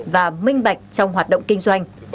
và minh bạch trong hoạt động kinh doanh